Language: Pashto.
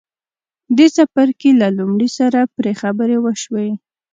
دې څپرکي له لومړي سره پرې خبرې وشوې.